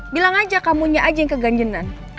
bilang aja kamunya aja yang keganjenan